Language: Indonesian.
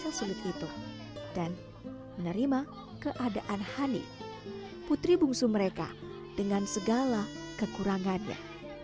masa masa sulit itu dan menerima keadaan hani putri bungsu mereka dengan segala kekurangannya